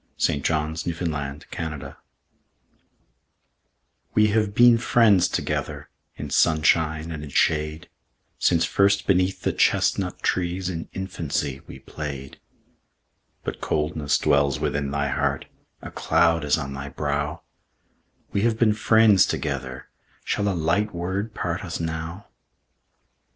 Caroline Norton We Have Been Friends Together WE have been friends together In sunshine and in shade, Since first beneath the chestnut trees, In infancy we played. But coldness dwells within thy heart, A cloud is on thy brow; We have been friends together, Shall a light word part us now?